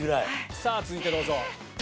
さあ、続いてどうぞ。